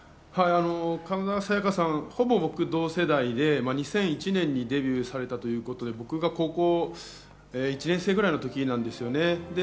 神田沙也加さん、ほぼ僕同世代で２００１年にデビューされたということで僕が高校１年生くらいの時なんですよね。